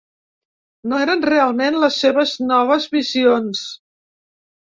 No eren realment les seves noves visions.